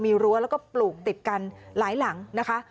มีรั้วแล้วก็ปลูกติดกันหลายหลังนะคะ